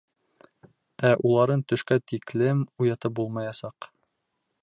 Ә уларын төшкә тиклем уятып булмаясаҡ.